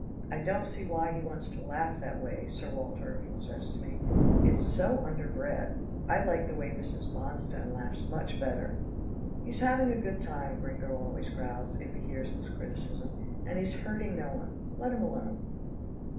"I don't see why he wants to laugh that way," Sir Walter often says to me. "It's so underbred. I like the way Mrs. Bonstone laughs much better." "He's having a good time," Gringo always growls, if he hears this criticism, "and he's hurting no one. Let him alone."